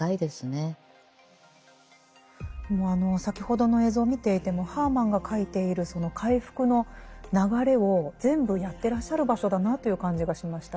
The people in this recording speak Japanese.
先ほどの映像見ていてもハーマンが書いているその回復の流れを全部やってらっしゃる場所だなという感じがしました。